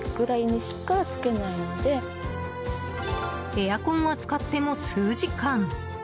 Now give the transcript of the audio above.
エアコンは使っても数時間。